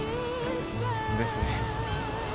ですね。